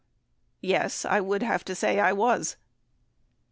Yes ; I would have to say I was.